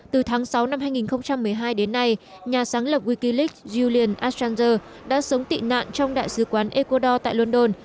từ tháng sáu năm hai nghìn một mươi hai đến nay nhà sáng lập wikileaks julian assanger đã sống tị nạn trong đại sứ quán ecuador tại london